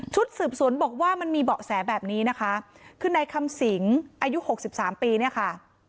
สืบสวนบอกว่ามันมีเบาะแสแบบนี้นะคะคือในคำสิงอายุหกสิบสามปีเนี่ยค่ะ